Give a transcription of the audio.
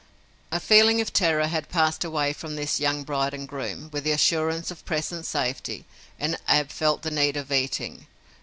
The feeling of terror had passed away from this young bride and groom, with the assurance of present safety, and Ab felt the need of eating.